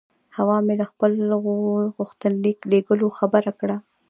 حوا مې له خپل غوښتنلیک لېږلو خبره کړه.